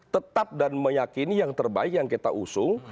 tetap dan meyakini yang terbaik yang kita usung